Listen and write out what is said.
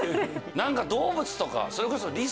何か動物とかそれこそ。